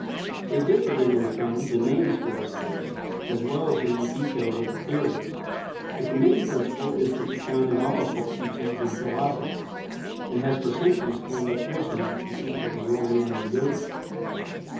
They differed in their terms and names for this force, as well as in the details of the theory, but the main principle is to be found in all occult teachings and philosophies, and has for centuries formed a portion of the teachings of the Oriental Yogis.